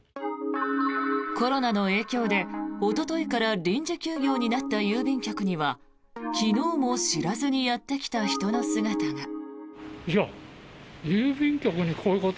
コロナの影響でおとといから臨時休業になった郵便局には昨日も知らずにやってきた人の姿が。